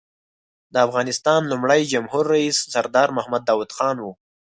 د افغانستان لومړی جمهور رییس سردار محمد داود خان و.